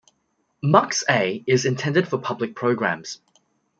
Mux A is intended for public programs.